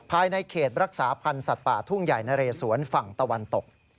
ภายในเขตรักษาพันธ์สัตว์ป่าทุ่งใหญ่นะเรสวนฝั่งตะวันตก